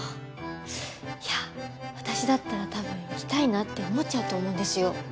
いや私だったら多分行きたいなって思っちゃうと思うんですよ。